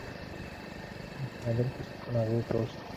একবার ভয় কেটে গেলে মানুষ চট করে আর ভয় পায় না।